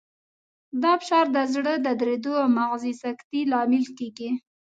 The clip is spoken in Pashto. دا فشار د زړه د دریدو او مغزي سکتې لامل کېږي.